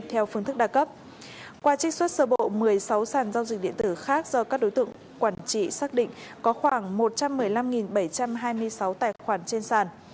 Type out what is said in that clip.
theo phương thức đa cấp qua trích xuất sơ bộ một mươi sáu sản giao dịch điện tử khác do các đối tượng quản trị xác định có khoảng một trăm một mươi năm bảy trăm hai mươi sáu tài khoản trên sàn